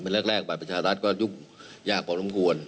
แรกบัตรประชารัฐก็ยุ่งยากพอสมควร